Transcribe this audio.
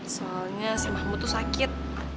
soalnya si mahmu tuh sakit